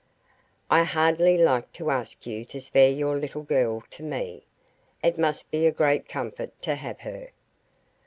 I hardly like to ask you to spare your little girl to me. It must be a great comfort to have her.